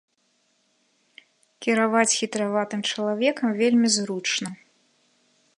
Кіраваць хітраватым чалавекам вельмі зручна.